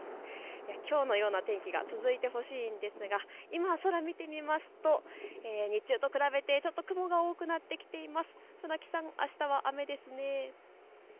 きょうのような天気が続いてほしいんですが今空を見てみますと、日中と比べて雲が多くなってきています。